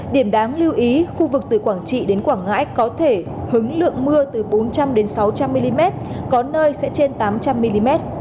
điểm đáng lưu ý khu vực từ quảng trị đến quảng ngãi có thể hứng lượng mưa từ bốn trăm linh sáu trăm linh mm có nơi sẽ trên tám trăm linh mm